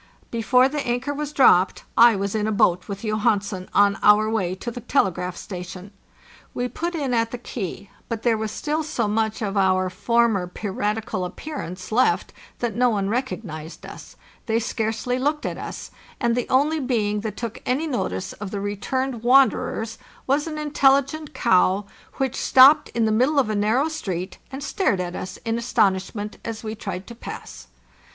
Before the anchor was dropped, I was in a boat with Johansen on our way to the telegraph station. We put in at the quay, but 582 FARTHEST NORTH there was still so much of our former piratical appearance left that no one recognized us; they scarcely looked at us, and the only being that took any notice of the re turned wanderers was an intelligent cow, which stopped in the middle of a narrow street and stared at us in aston ishment as we tried to pass.